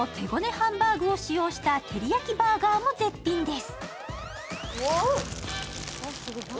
ハンバーグを使用したてりやきバーガーも絶品です。